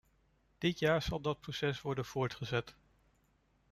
Dit jaar zal dat proces worden voortgezet.